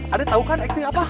adek tau kan akting apa